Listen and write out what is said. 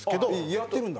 やってるんだ。